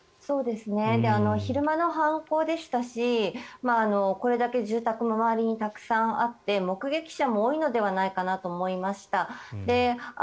昼間の犯行でしたしこれだけ住宅も周りにたくさんあって目撃者も多いのではないかなと思いました。